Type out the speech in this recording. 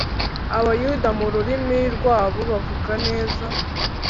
Abayuda mu rurimi rwabo bavuga neza.